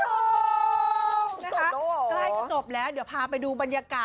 จบแล้วเหรอใกล้จะจบแล้วเดี๋ยวพาไปดูบรรยากาศ